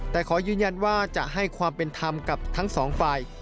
แต่ขอยืนยันว่าจะให้ความเป็นธรรมกับทั้งสองฝ่าย